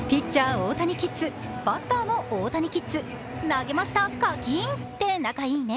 大谷キッズバッターも大谷キッズ投げました、カキーンって仲いいね。